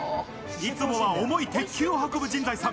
いつもは重い鉄球を運ぶ陣在さん。